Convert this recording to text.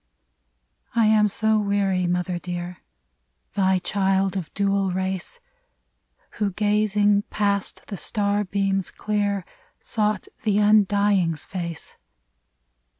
I am so weary, mother dear !— Thy child, of dual race, Who gazing past the star beams clear. Sought the Undying's face